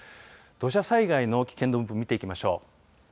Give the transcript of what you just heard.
土砂災害の危険度分布を見ていきましょう。